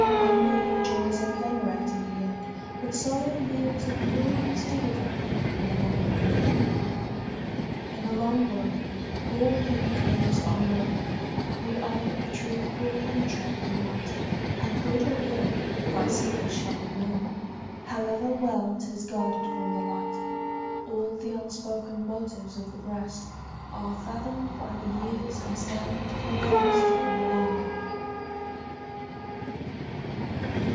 Unmeaning joys enervate in the end, But sorrow yields a glorious dividend In the long run. In the long run all hidden things are known, The eye of truth will penetrate the night, And good or ill, thy secret shall be known, However well 'tis guarded from the light. All the unspoken motives of the breast Are fathomed by the years and stand confess'd In the long run.